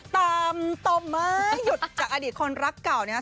ต่อไม้หยุดจากอดีตคนรักเก่านะครับ